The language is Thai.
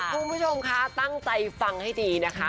คุณผู้ชมคะตั้งใจฟังให้ดีนะคะ